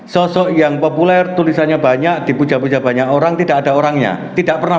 sosok yang populer tulisannya banyak dipuja puja banyak orang tidak ada orangnya tidak pernah